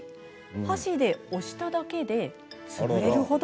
箸で押しただけで潰れるほど。